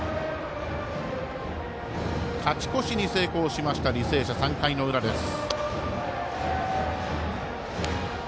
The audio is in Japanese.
勝ち越しに成功しました、履正社３回の裏です。